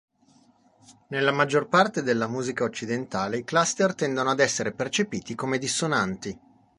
Nella maggior parte della musica occidentale, i cluster tendono ad essere percepiti come dissonanti.